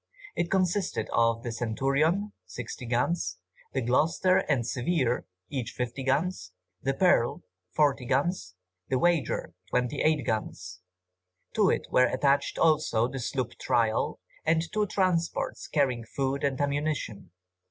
It consisted of the Centurion, 60 guns, the Gloucester and Severe, each 50 guns, the Pearl, 40 guns, the Wager, 28 guns. To it were attached also the sloop Trial, and two transports carrying food and ammunition.